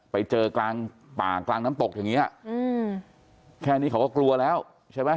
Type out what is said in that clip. ไปเจอกลางป่ากลางน้ำตกอย่างนี้แค่นี้เขาก็กลัวแล้วใช่ไหม